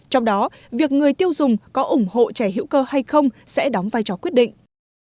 trong đó việc người tiêu dùng có ủng hộ chè hữu cơ hay không sẽ đóng vai trò quyết định